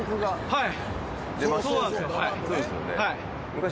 はい。